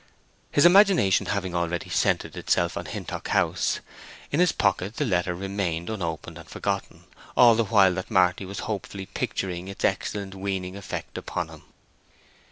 His imagination having already centred itself on Hintock House, in his pocket the letter remained unopened and forgotten, all the while that Marty was hopefully picturing its excellent weaning effect upon him.